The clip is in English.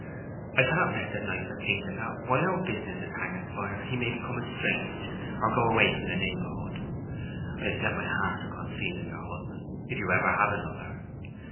I cannot rest at night for thinking that while our business is hanging fire he may become estranged, or go away from the neighborhood. I have set my heart upon seeing him your husband, if you ever have another.